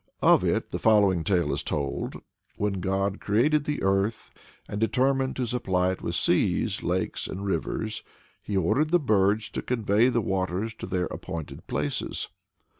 Of it the following tale is told. When God created the earth, and determined to supply it with seas, lakes and rivers, he ordered the birds to convey the waters to their appointed places.